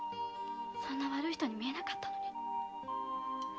そんな悪い人に見えなかったのに。